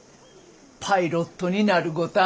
パイロットになるごた。